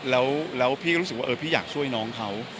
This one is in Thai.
แล้วพี่ก็รู้สึกว่าพี่อยากช่วยน้องเขา